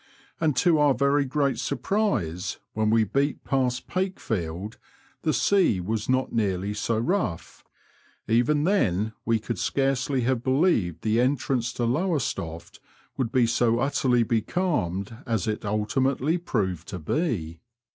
And to our very great surprise, when we beat past Pakefield the sea was not nearly so rough ; even then we could scarcely have believed the entrance to Lowestoft would be so utterly becalmed as it ultimately proved to be.